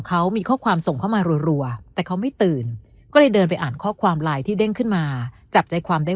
ก็เลยเดินไปอ่านข้อความไลน์ที่เด้งขึ้นมาจับใจความได้